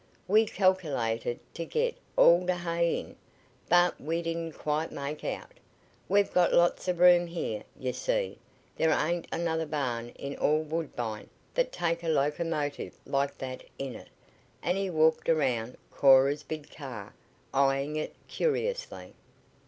We calcalated t' git all th' hay in, but we didn't quite make out. We've got lots of room here, you see. There ain't another barn in all Woodbine that'd take a locomotive like that in it," and he walked around Cora's big car, eying it curiously.